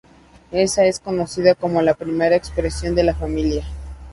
Esa es conocida como la primera expresión de "La Familia".